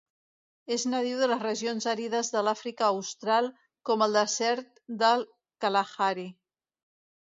És nadiu de les regions àrides de l'Àfrica Austral, com el desert del Kalahari.